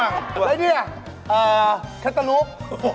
อะไรเนี่ยคัตตะนุ๊ก